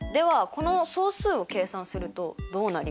この総数を計算するとどうなりますか？